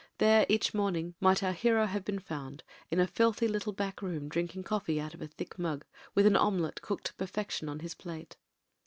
There each morning might our hero have been found, in a filthy little back room, drinking coffee out of a thick mug, with an omelette cooked to perfection on his plate.